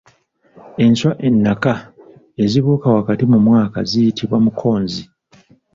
Enswa ennaka ezibuuka wakati mu mwaka ziyitibwa mukonzi.